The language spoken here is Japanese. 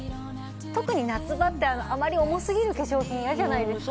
特に夏場ってあまり重すぎる化粧品嫌じゃないですか